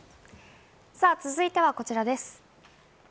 続いては、こちらです。